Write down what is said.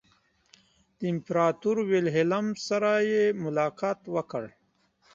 د امپراطور ویلهلم سره یې ملاقات وکړ.